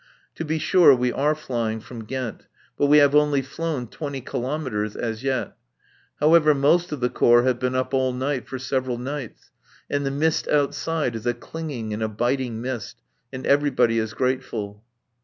To be sure, we are flying from Ghent, but we have only flown twenty kilometres as yet. However, most of the Corps have been up all night for several nights, and the mist outside is a clinging and a biting mist, and everybody is grateful.